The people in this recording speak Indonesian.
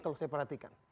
kalau saya perhatikan